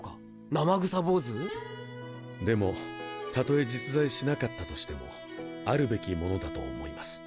生臭坊主でもたとえ実在しなかったとしてもあるべきものだと思います